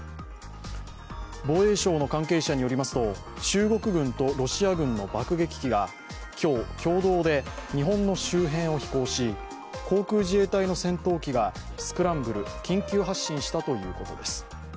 防衛省の関係者によりますと中国軍とロシア軍の爆撃機が今日、共同で日本の周辺を飛行し航空自衛隊の戦闘機がスクランブル＝緊急発進したということです。